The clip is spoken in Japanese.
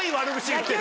言ってる。